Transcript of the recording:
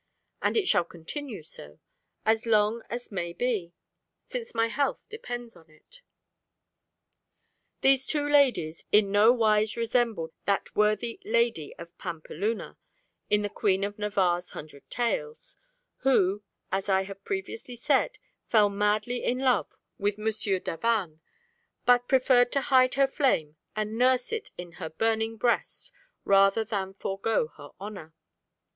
and it shall continue so, as long as may be, since my health depends on it.' These two ladies in no wise resemble that worthy lady of Pampeluna, in the Queen of Navarre's Hundred Tales, who, as I have previously said, fell madly in love with Monsieur d'Avannes, but preferred to hide her flame and nurse it in her burning breast rather than forego her honour.